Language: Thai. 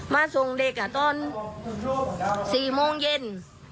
มาส่งเด็กตอน๔โมงเย็น